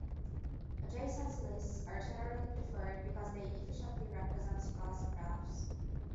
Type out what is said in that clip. Adjacency lists are generally preferred because they efficiently represent sparse graphs.